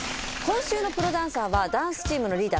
今週のプロダンサーは。